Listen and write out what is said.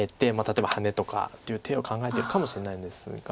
例えばハネとかっていう手を考えてるかもしれないんですが。